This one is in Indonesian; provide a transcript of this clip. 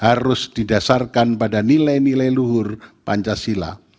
harus didasarkan pada nilai nilai luhur pancasila